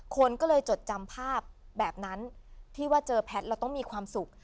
คนก็เลยจดจำภาพแบบนั้นที่ว่าเจอแพทย์เราต้องมีความสุข